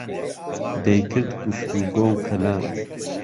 دەیکرد گوفتوگۆ و کهلام